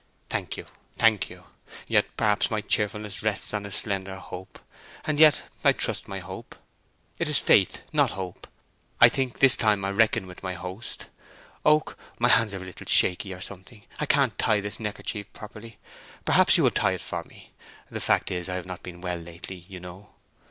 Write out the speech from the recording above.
"Thank you—thank you. Yet perhaps my cheerfulness rests on a slender hope. And yet I trust my hope. It is faith, not hope. I think this time I reckon with my host.—Oak, my hands are a little shaky, or something; I can't tie this neckerchief properly. Perhaps you will tie it for me. The fact is, I have not been well lately, you know."